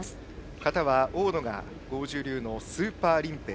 形は、大野が剛柔流のスーパーリンペイ。